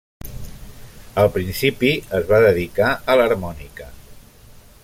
Al principi, es va dedicar a l'harmònica.